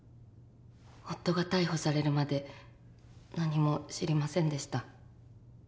夫が逮捕されるまで何も知りませんでした。